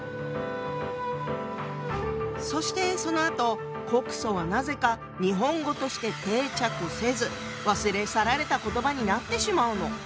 そしてそのあと「告訴」はなぜか日本語として定着せず忘れ去られた言葉になってしまうの。